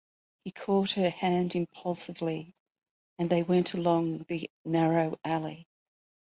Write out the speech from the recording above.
He caught her hand impulsively, and they went along the narrow alley.